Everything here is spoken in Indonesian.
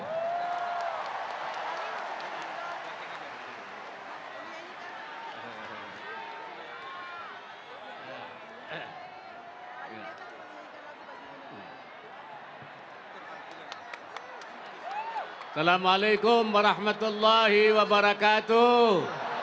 assalamu'alaikum warahmatullahi wabarakatuh